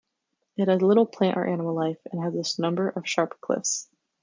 It has little plant or animal life, and has a number of sharp cliffs.